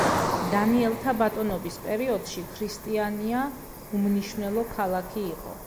დანიელთა ბატონობის პერიოდში ქრისტიანია უმნიშვნელო ქალაქი იყო.